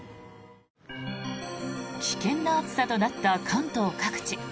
危険な暑さとなった関東各地。